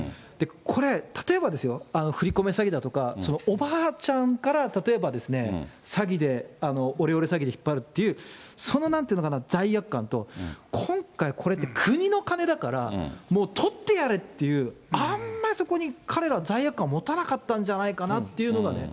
これ、例えばですよ、振り込め詐欺だとか、おばあちゃんから例えばですね、詐欺で、オレオレ詐欺で引っ張るっていう、そのなんていうのかな、罪悪感と、今回、これって国の金だから、もう取ってやれっていう、あんまりそこに彼らは罪悪感持たなかったんじゃないかなっていうね。